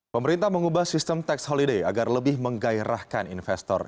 pemerintah mengubah sistem tax holiday agar lebih menggairahkan investor